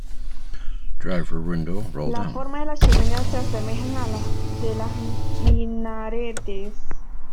La forma de las chimeneas se asemeja a la de minaretes.